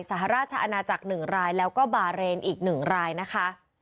สหราชนาจักรหนึ่งรายแล้วก็บาเรนอีกหนึ่งรายนะคะ